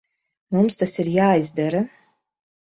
Mums tas ir jāizdara.